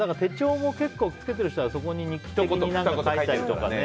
手帳も結構つけている人はそこに日記的に何か書いたりとかね。